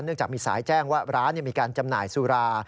จากมีสายแจ้งว่าร้านมีการจำหน่ายสุรา